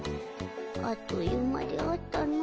あっという間であったの。